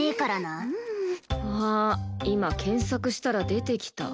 あー今検索したら出てきた。